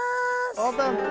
オープン。